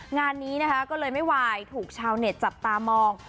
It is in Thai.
งานนี้นะคะก็เลยไม่วายถูกชาวเน็ตจับตามอง